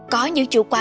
có những chủ quán